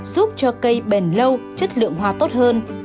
giúp cho cây bền lâu chất lượng hoa tốt hơn